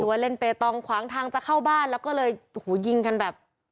ว่าเล่นเปตองขวางทางจะเข้าบ้านแล้วก็เลยหูยิงกันแบบ